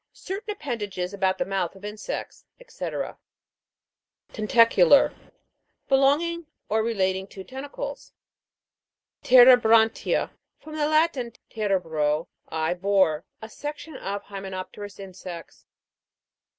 Certain appen dages about the mouth of insects, &c. TENTA'CULAII. Belonging or relating to ten'tacles. TEREBRAN'TIA. From the Latin, tere bro, I bore. A section of hyme nopterous insects.